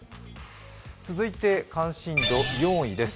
続いて関心度４位です。